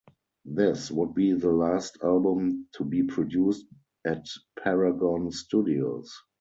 This would be the last album to be produced at Paragon Studios.